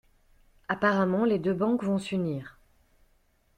Apparemment les deux banques vont s'unir.